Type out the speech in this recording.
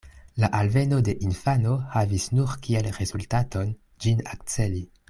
La alveno de infano havis nur kiel rezultaton, ĝin akceli.